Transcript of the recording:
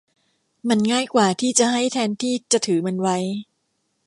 มันง่ายกว่าที่จะให้แทนที่จะถือมันไว้